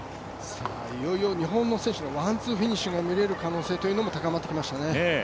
いよいよ日本の選手のワン・ツーフィニッシュが見れる可能性も高まってきましたね。